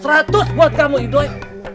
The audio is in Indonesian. seratus buat kamu idoy